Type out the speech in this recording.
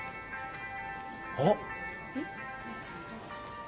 あっ？